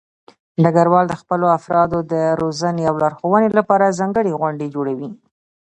ډګروال د خپلو افرادو د روزنې او لارښودنې لپاره ځانګړې غونډې جوړوي.